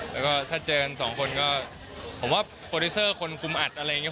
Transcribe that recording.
แล้วก็ถ้าเจอกันสองคนก็ผมว่าโปรดิวเซอร์คนคุมอัดอะไรอย่างนี้